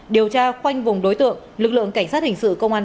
điều tra khoanh vùng đối tượng lực lượng cảnh sát hình sự công an